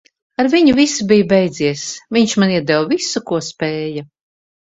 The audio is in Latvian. Ar viņu viss bija beidzies. Viņš man iedeva visu, ko spēja.